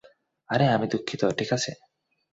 আরে, আমি দুঃখিত, ঠিক আছে?